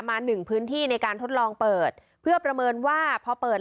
หนึ่งพื้นที่ในการทดลองเปิดเพื่อประเมินว่าพอเปิด